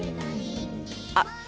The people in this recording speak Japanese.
あっ！